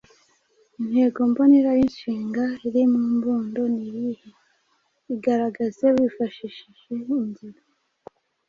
Intego mbonera y’inshinga iri mu mbundo ni iyihe? Bigaragaze wifashishije ingero.